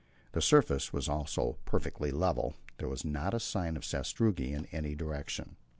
The surface was also perfectly level; there was not a sign of sastrugi in any direction.